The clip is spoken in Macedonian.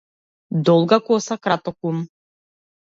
Долга коса краток ум.